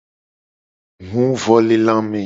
Huvolelame.